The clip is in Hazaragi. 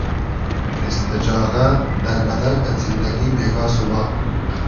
دیست دۂ جاغۂ، دئر بئدئر قئد زیندئگی بېگا سوبا